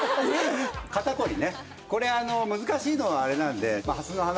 肩こりねこれ難しいのはあれなんでまあハスの花